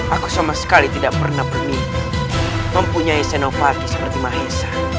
aku sama sekali tidak pernah pergi mempunyai senoparti seperti mahesa